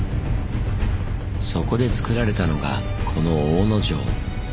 そこでつくられたのがこの大野城。